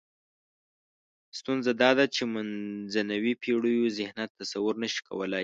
ستونزه دا ده چې منځنیو پېړیو ذهنیت تصور نشي کولای.